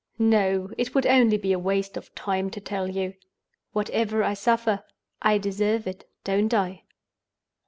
No; it would only be a waste of time to tell you. Whatever I suffer, I deserve it—don't I?